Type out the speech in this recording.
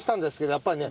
やっぱりね